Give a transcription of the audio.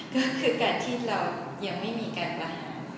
ก็คือการที่เรายังไม่มีการมา